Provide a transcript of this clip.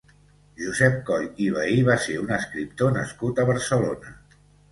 Josep Coll i Vehí va ser un escriptor nascut a Barcelona.